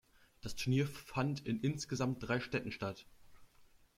Das Turnier fand in insgesamt drei Städten statt.